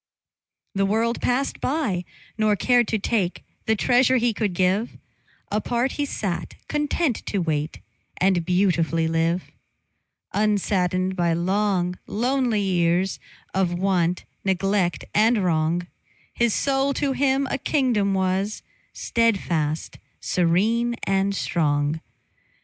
The world passed by, nor cared to take The treasure he could give; Apart he sat, content to wait And beautifully live; Unsaddened by long, lonely years Of want, neglect, and wrong, His soul to him a kingdom was, Steadfast, serene, and strong.